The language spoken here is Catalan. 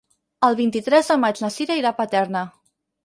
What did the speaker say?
El vint-i-tres de maig na Cira irà a Paterna.